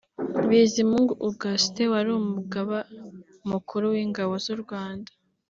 Bizimungu Augustin wari Umugaba Mukuru w’ Ingabo z’ u Rwanda